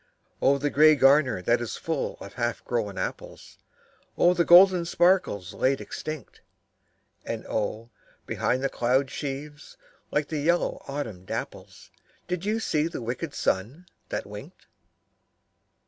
Oh, the grey garner that is full of half grown apples, Oh, the golden sparkles laid extinct ! And oh, behind the cloud sheaves, like yellow autumn dapples, Did you see the wicked sun that winked?